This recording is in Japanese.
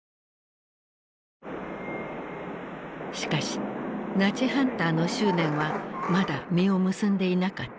しかしナチハンターの執念はまだ実を結んでいなかった。